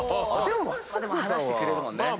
でも話してくれるもんね。